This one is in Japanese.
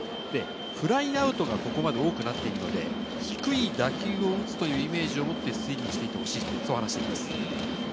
フライアウトがここまで多くなっているので、低い打球を打つというイメージを持ってほしいと話しています。